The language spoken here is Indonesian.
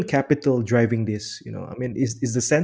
kapital manusia yang menggerakkan ini